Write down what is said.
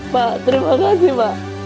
pak terima kasih pak